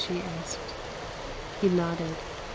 " she asked. He nodded.